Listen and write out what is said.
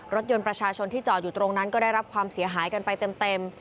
รถยนต์ประชาชนที่จอดอยู่ตรงนั้นก็ได้รับความเสียหายกันไปเต็ม